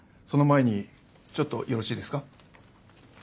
その前にちょっとよろしいですか？